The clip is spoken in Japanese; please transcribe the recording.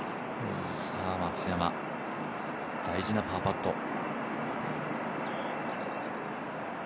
松山、大事なパーパット。